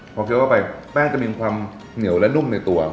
พอเคี้ยวเข้าไปแป้งจะมีความเหนียวและนุ่มในตัว